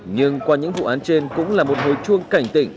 nhưng qua những vụ án trên cũng là một hồi chuông cảnh tỉnh